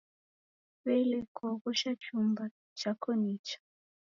W'ele, kwaoghosha chumba chako nicha?